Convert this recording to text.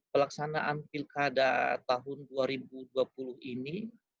pelaksanaan pilkada tahun dua ribu dua puluh ini